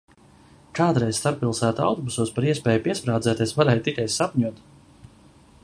Kādreiz starppilsētu autobusos par iespēju piesprādzēties varēja tikai sapņot.